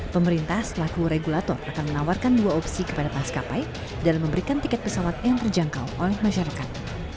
pemerintah selaku regulator akan menawarkan dua opsi kepada maskapai dalam memberikan tiket pesawat yang terjangkau oleh masyarakat